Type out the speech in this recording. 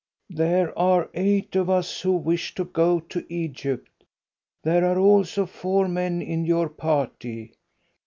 "There are eight of us who wish to go to Egypt. There are also four men in your party.